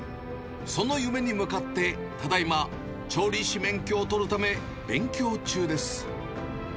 その夢に向かって、ただいま調理師免許を取るため、勉強中です。